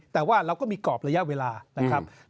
แต่ว่าเราก็มีกรอบระยะเวลานะครับ